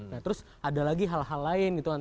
nah terus ada lagi hal hal lain gitu kan